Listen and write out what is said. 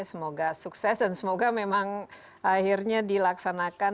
semoga sukses dan semoga memang akhirnya dilaksanakan